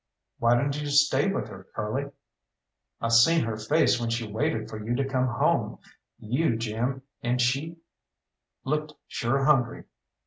"Why didn't you stay with her, Curly?" "I seen her face when she waited for you to come home you, Jim, and she looked sure hungry.